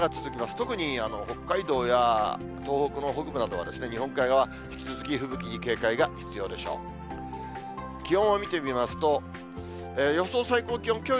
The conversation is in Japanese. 特に北海道や東北の北部などは、日本海側は引き続き吹雪に警戒が必要でしょう。